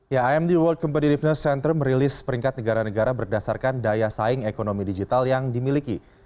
ya imd world competitiveness center merilis peringkat negara negara berdasarkan daya saing ekonomi digital yang dimiliki